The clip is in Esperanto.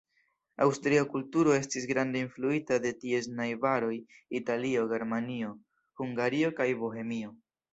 Aŭstria kulturo estis grande influita de ties najbaroj, Italio, Germanio, Hungario kaj Bohemio.